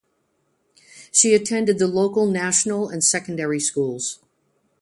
She attended the local national and secondary schools.